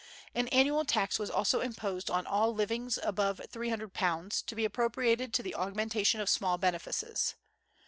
An annual tax was also imposed on all livings above £300, to be appropriated to the augmentation of small benefices.